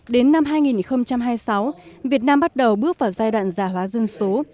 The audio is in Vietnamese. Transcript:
đến năm hai nghìn hai mươi sáu việt nam bắt đầu bước vào giai đoạn già hóa dân số